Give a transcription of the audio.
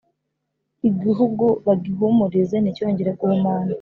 igihugu bagihumurize nticyongere guhumana